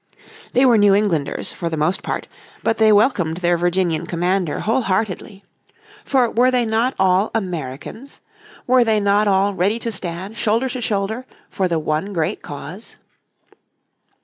They were New Englanders, for the most part, but they welcomed their Virginian commander whole heartedly. For were they not all Americans? Were they not all ready to stand shoulder to shoulder for the one great cause?